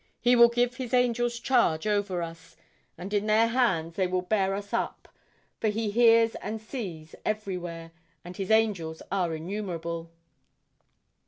He will give His angels charge over us, and in their hands they will bear us up, for He hears and sees everywhere, and His angels are innumerable.'